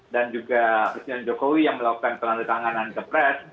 dan juga presiden jokowi yang melakukan perantakan kepres